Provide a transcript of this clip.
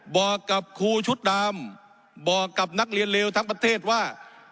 บอกกับครูชุดดำบอกกับนักเรียนเลวทั้งประเทศว่า